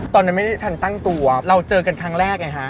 ตอนนั้นไม่ได้ทันตั้งตัวเราเจอกันครั้งแรกไงฮะ